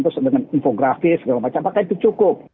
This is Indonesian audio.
terus dengan infografis segala macam apakah itu cukup